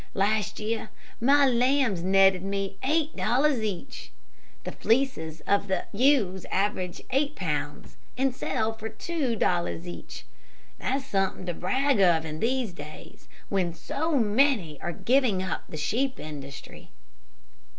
Last year my lambs netted me eight dollars each. The fleeces of the ewes average eight pounds, and sell for two dollars each. That's something to brag of in these days, when so many are giving up the sheep industry."